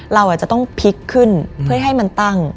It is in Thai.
เราอาจจะต้องพลิกขึ้นเพื่อให้มันตั้ง